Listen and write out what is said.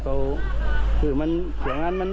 โตรดิอิน